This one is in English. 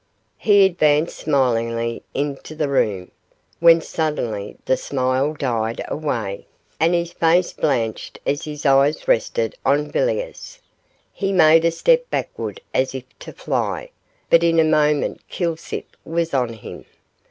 He advanced smilingly into the room, when suddenly the smile died away, and his face blanched as his eyes rested on Villiers. He made a step backward as if to fly, but in a moment Kilsip was on him.